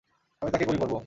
আমি তাকে গুলি করব।